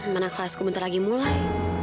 mana kelasku bentar lagi mulai